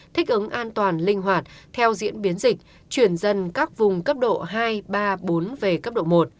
thích ứng an toàn linh hoạt theo diễn biến dịch chuyển dân các vùng cấp độ hai ba bốn về cấp độ một